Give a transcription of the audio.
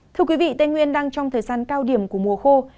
thưa quý vị tây nguyên đang trong thời gian cao điểm của mùa khô